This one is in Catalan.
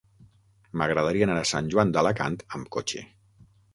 M'agradaria anar a Sant Joan d'Alacant amb cotxe.